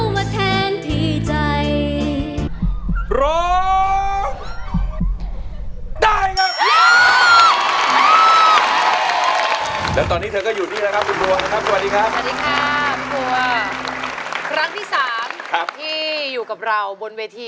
เว้ยสู้เว้ย